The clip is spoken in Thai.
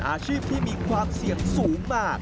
อาชีพที่มีความเสี่ยงสูงมา